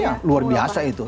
iya luar biasa itu